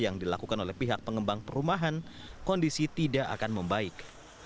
yang dilakukan oleh pihak pengembang perumahan kondisi tidak akan membaik